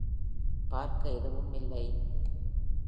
பார்க்க எதுவும் இல்லை!